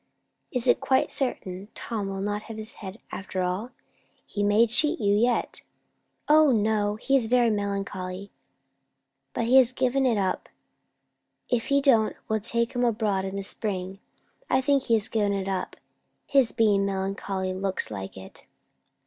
Is it quite certain Tom will not have his head after all? He may cheat you yet." "O no! He's very melancholy, but he has given it up. If he don't, we'll take him abroad in the spring. I think he has given it up. His being melancholy looks like it."